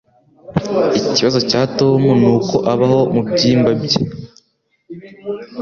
Ikibazo cya Tom nuko abaho mubyimba bye